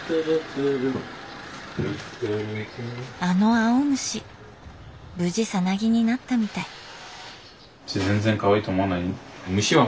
あの青虫無事サナギになったみたい。